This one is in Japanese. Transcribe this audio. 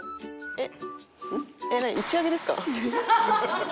えっ？